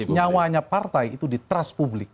nyawanya partai itu di trust publik